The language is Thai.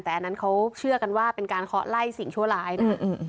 แต่อันนั้นเขาเชื่อกันว่าเป็นการเคาะไล่สิ่งชั่วร้ายนะ